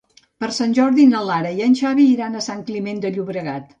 Per Sant Jordi na Lara i en Xavi iran a Sant Climent de Llobregat.